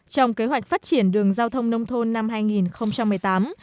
trong kế hoạch phát triển đường giao thông nông thôn năm hai nghìn hai mươi